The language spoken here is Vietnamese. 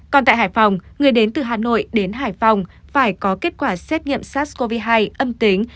còn tại hải phòng người đến từ hà nội đến hải phòng phải có kết quả xét nghiệm sars cov hai âm tính